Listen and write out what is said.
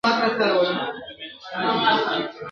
زور د شلو انسانانو ورسره وو !.